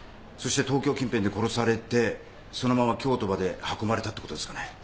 そして東京近辺で殺されてそのまま京都まで運ばれたってことですかね？